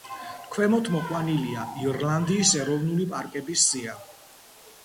ქვემოთ მოყვანილია ირლანდიის ეროვნული პარკების სია.